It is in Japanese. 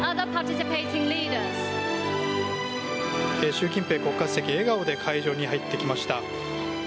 習近平国家主席笑顔で会場に入ってきました。